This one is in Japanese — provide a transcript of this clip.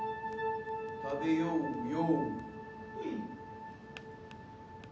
食べようよ！